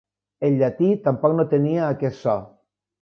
El llatí tampoc no tenia aquest so.